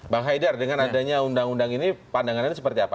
bang haidar dengan adanya undang undang ini pandangannya seperti apa